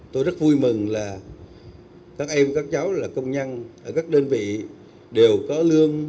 thủ tướng nguyễn xuân phúc đã chúc tết và trao quà cho công nhân lao động và người nghèo tại hải phòng